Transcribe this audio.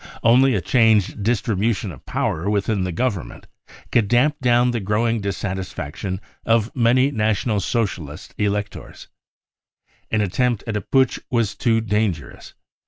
Only a changed distribution of power within the Government could damp down the growing dissatisfaction of many National Socialist electors* An attempt at a putsch was too dangerous.